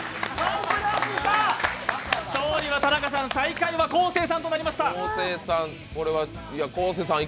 勝利は田中さん、最下位は昴生さんとなりました。